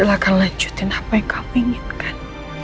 silahkan lanjutin apa yang kamu inginkan